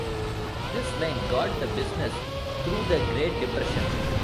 This line got the business through the Great Depression.